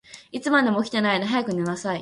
いつまでも起きてないで、早く寝なさい。